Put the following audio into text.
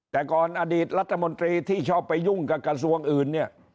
แต่ก่อนอดีตรัฐมนตรีที่ชอบไปยุ่งกับกระทรวงอื่นเนี่ย